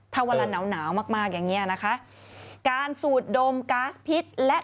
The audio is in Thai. ถ้าเวลาหนาวหนาวมากมากอย่างเงี้ยนะคะการสูดดมก๊าซพิษและ